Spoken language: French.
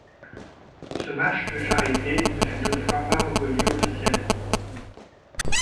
Ce match de charité ne fut toutefois pas reconnu officiellement.